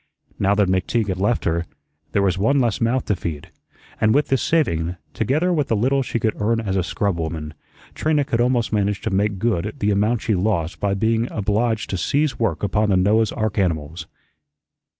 Now that McTeague had left her, there was one less mouth to feed; and with this saving, together with the little she could earn as scrub woman, Trina could almost manage to make good the amount she lost by being obliged to cease work upon the Noah's ark animals.